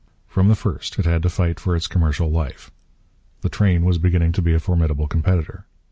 From the first it had to fight for its commercial life. The train was beginning to be a formidable competitor.